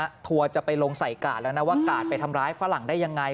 ทัวร์จะไปลงใส่กาดแล้วนะว่ากาดไปทำร้ายฝรั่งได้ยังไง